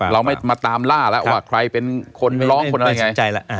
เราไม่มาตามล่าแล้วว่าใครเป็นคนร้องคนอะไรไง